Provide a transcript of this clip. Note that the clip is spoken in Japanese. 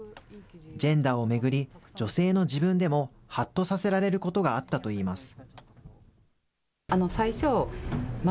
ジェンダーを巡り、女性の自分でもはっとさせられることがあったといいます。